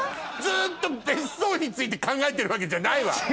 ずっと別荘について考えてるわけじゃないわ。